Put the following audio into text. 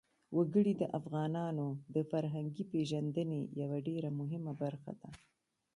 وګړي د افغانانو د فرهنګي پیژندنې یوه ډېره مهمه برخه ده.